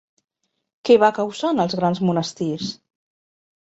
Què va causar en els grans monestirs?